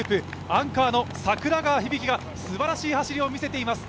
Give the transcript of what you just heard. アンカーの櫻川響晶がすばらしい走りを見せています。